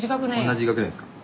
同じ学年ですか。